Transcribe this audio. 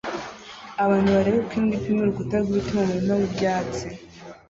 Abantu bareba uko imbwa ipima urukuta rw'ibiti mu murima w'ibyatsi